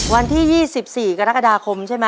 วันที่๒๔กรกฎาคมใช่ไหม